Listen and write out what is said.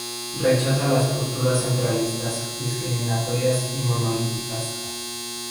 Rechaza las posturas centralistas, discriminatorias y monolíticas.